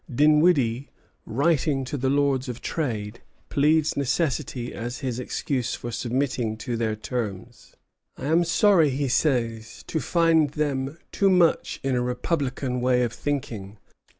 Dinwiddie, writing to the Lords of Trade, pleads necessity as his excuse for submitting to their terms. "I am sorry," he says, "to find them too much in a republican way of thinking."